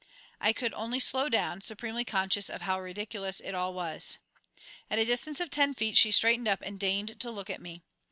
I could only slow down, supremely conscious of how ridiculous it all was. At a distance of ten feet she straightened up and deigned to look at me.